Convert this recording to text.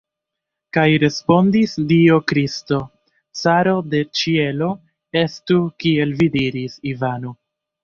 Kaj respondis Dio Kristo, caro de ĉielo: "Estu, kiel vi diris, Ivano!"